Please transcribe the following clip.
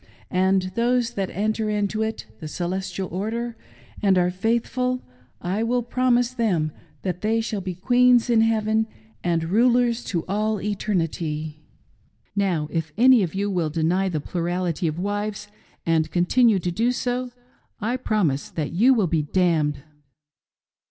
And those that enter into it (the celestial order) and are faithful, I will promise them that they shall be queens in heaven and rulers to all eternity. " Now if any of you will deny the plurality of wives, and continue to do so, I promise that you will be damned."